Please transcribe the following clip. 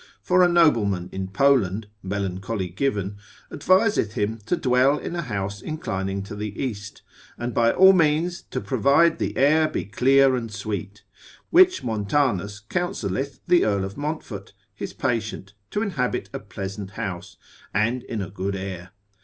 24, for a nobleman in Poland, melancholy given, adviseth him to dwell in a house inclining to the east, and by all means to provide the air be clear and sweet; which Montanus, consil. 229, counselleth the earl of Monfort, his patient, to inhabit a pleasant house, and in a good air.